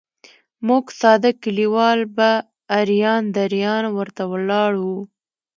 موږ ساده کلیوال به اریان دریان ورته ولاړ وو.